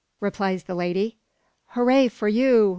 replies the lady. "Hooraw for you!